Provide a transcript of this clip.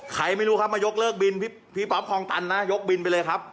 ใครไม่รู้ครับมายกเลิกบินพี่ป๊อปคลองตันนะยกบินไปเลยครับ